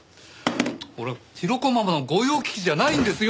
俺ヒロコママの御用聞きじゃないんですよ！